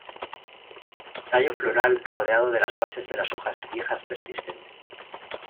Tallo floral rodeado de las bases de las hojas viejas persistentes.